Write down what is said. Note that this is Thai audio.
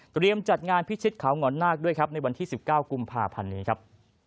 จัดงานพิชิตเขาหงอนนาคด้วยครับในวันที่๑๙กุมภาพันธ์นี้ครับ